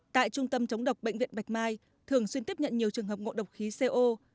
tại trung tâm chống độc bệnh viện bạch mai thường xuyên tiếp nhận nhiều trường hợp ngộ độc khí co